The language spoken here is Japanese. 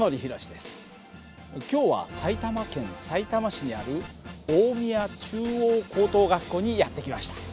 今日は埼玉県さいたま市にある大宮中央高等学校にやって来ました。